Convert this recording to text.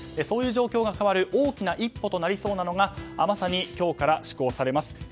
そういう状況が変わる大きな一歩となりそうなのがまさに今日から施行されます